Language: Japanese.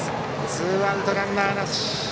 ツーアウトランナーなし。